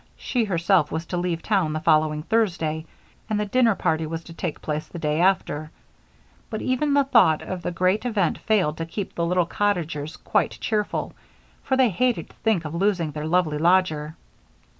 She herself was to leave town the following Thursday, and the dinner party was to take place the day after; but even the thought of the great event failed to keep the little cottagers quite cheerful, for they hated to think of losing their lovely lodger.